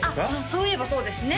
そういえばそうですね